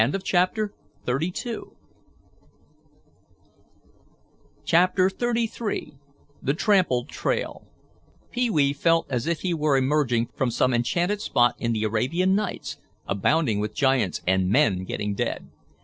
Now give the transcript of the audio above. CHAPTER XXXIII THE TRAMPLED TRAIL Pee wee felt as if he were emerging from some enchanted spot in the "Arabian Nights," abounding with giants and men "getting dead."